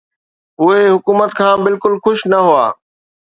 اهي حڪومت کان بلڪل خوش نه هئا.